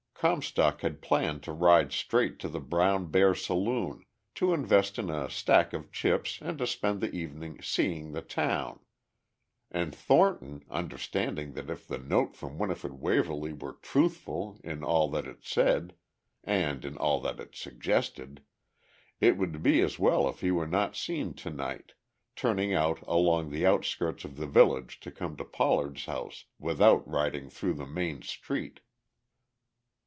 Comstock had planned to ride straight to the Brown Bear saloon, to invest in a stack of chips, and to spend the evening "seeing the town." And Thornton, understanding that if the note from Winifred Waverly were truthful in all that it said and in all that it suggested, it would be as well if he were not seen tonight, turned out along the outskirts of the village to come to Pollard's house without riding through the main street.